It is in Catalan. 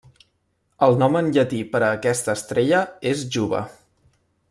El nom en llatí per a aquesta estrella és Juba.